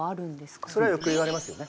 それはよく言われますよね。